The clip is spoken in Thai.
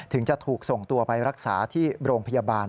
จะถูกส่งตัวไปรักษาที่โรงพยาบาล